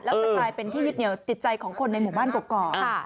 แล้วจะกลายเป็นที่ยึดเหนียวจิตใจของคนในหมู่บ้านกอก